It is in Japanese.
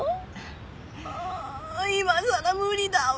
ああ今さら無理だわ！